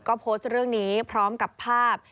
ก็โพสต์เรื่องนี้พร้อมกับภาพ